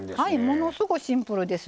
ものすごいシンプルです。